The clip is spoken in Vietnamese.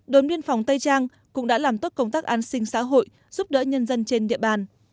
đồn biên phòng tây trang cũng đã làm tốt công tác an sinh xã hội giúp đỡ nhân dân trên địa bàn